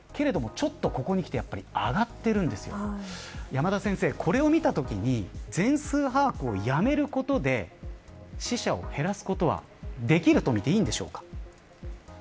山田先生、これを見たときに全数把握をやめることで死者を減らすことはできるとみていいんでしょうか。